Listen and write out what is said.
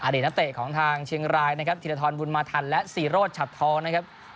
อดีตนัดเตะของทางเชียงรายนะครับถิลธรรมบุญมาธรรมและสี่โรชฉับทองนะครับ